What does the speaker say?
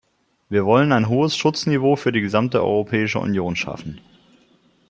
Wir wollen ein hohes Schutzniveau für die gesamte Europäische Union schaffen.